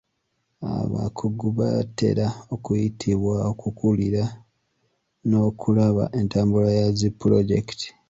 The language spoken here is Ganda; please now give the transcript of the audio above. Abakugu batera okuyitibwa okukulira n'okulaba entambula ya zi pulojekiti.